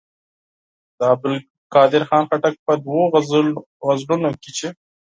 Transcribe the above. د عبدالقادر خان خټک په دوو غزلونو کې چې.